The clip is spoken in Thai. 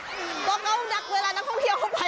เพราะเอานักเวลานักท่องเที่ยวเข้าไป